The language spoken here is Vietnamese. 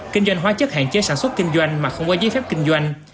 kinh doanh hóa chất hạn chế sản xuất kinh doanh mà không có giấy phép kinh doanh